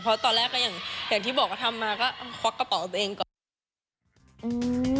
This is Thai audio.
เพราะตอนแรกก็อย่างที่บอกว่าทำมาก็ควักกระเป๋าตัวเองก่อน